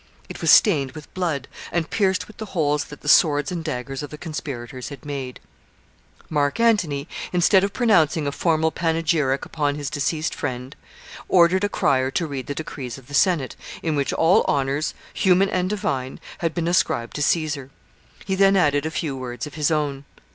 It was stained with blood, and pierced with the holes that the swords and daggers of the conspirators had made. [Sidenote: Marc Antony's oration.] [Sidenote: The funeral pile.] Marc Antony, instead of pronouncing a formal panegyric upon his deceased friend, ordered a crier to read the decrees of the Senate, in which all honors, human and divine, had been ascribed to Caesar. He then added a few words of his own.